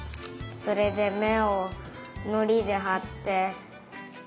それでめをのりではって。